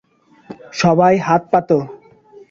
সবাই হাত পাতো।